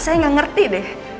saya nggak ngerti deh